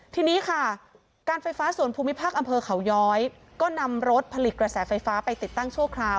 ทีนี้ค่ะการไฟฟ้าส่วนภูมิภาคอำเภอเขาย้อยก็นำรถผลิตกระแสไฟฟ้าไปติดตั้งชั่วคราว